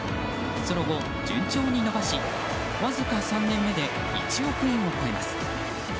その後、順調に伸ばしわずか３年目で１億円を超えます。